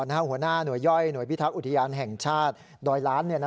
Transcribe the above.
หัวหน้าหน่วยย่อยหน่วยพิทักษ์อุทยานแห่งชาติดอยล้าน